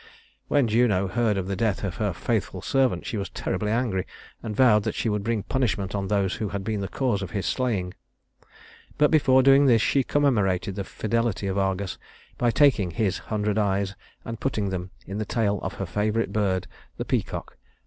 When Juno heard of the death of her faithful servant she was terribly angry, and vowed that she would bring punishment on those who had been the cause of his slaying; but before doing this she commemorated the fidelity of Argus by taking his hundred eyes and putting them in the tail of her favorite bird, the peacock.